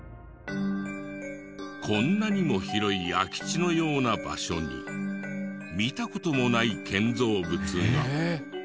こんなにも広い空き地のような場所に見た事もない建造物が。